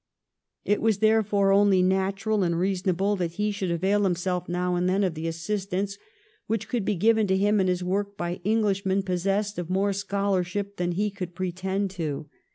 It was therefore only natural and reasonable that he should avail himself now and then of the assistance which could be given to him in his work by Enghsh men possessed of more scholarship than he could pretend to.